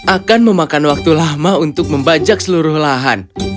akan memakan waktu lama untuk membajak seluruh lahan